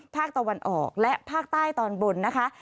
ภาคตะวันออกและภาคใต้ตอนบนนะคะ